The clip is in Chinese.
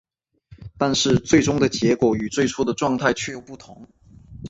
但是最终的结果与最初的状态却又不同。